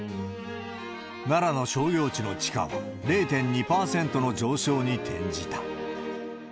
奈良の商業地の地価は０．２％の上昇に転じた。